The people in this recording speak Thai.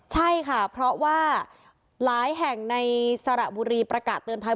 ใช่ค่ะเพราะว่าหลายแห่งในสระบุรีประกาศเตือนภัย